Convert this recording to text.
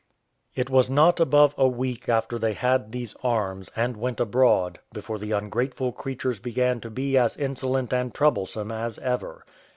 It was not above a week after they had these arms, and went abroad, before the ungrateful creatures began to be as insolent and troublesome as ever.